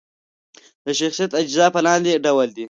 د شخصیت اجزا په لاندې ډول دي: